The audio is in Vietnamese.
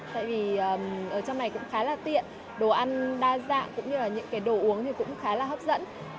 tại vì ở trong này cũng khá là tiện đồ ăn đa dạng cũng như là những cái đồ uống thì cũng khá là hấp dẫn